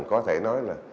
có thể nói là